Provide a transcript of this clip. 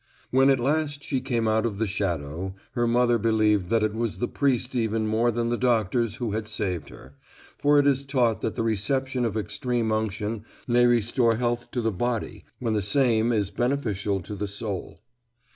When at last she came out of the shadow, her mother believed that it was the priest even more than the doctors who had saved her, for it is taught that the reception of Extreme Unction may restore health to the body when the same is beneficial to the soul.